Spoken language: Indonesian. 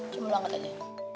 cuma lu angkat aja